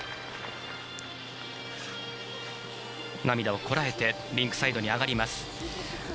涙をこらえてリンクサイドに上がります。